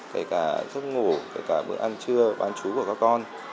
kể cả giấc ngủ kể cả bữa ăn trưa bán chú của các con